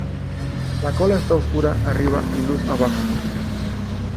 La cola está oscura arriba y luz abajo.